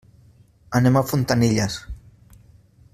Anem a Fontanilles.